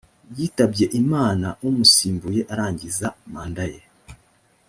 yitabye imana umusimbuye arangiza manda ye